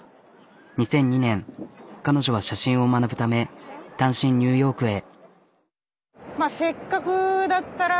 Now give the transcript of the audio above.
２００２年彼女は写真を学ぶため単身ニューヨークへ。